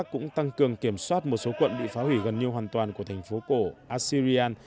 các lực lượng iraq cũng cường kiểm soát một số quận bị phá hủy gần như hoàn toàn của thành phố cổ assyrian